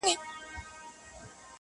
هغه خو دا گراني كيسې نه كوي~